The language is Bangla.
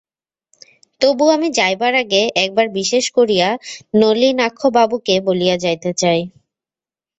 তবু আমি যাইবার আগে একবার বিশেষ করিয়া নলিনাক্ষবাবুকে বলিয়া যাইতে চাই।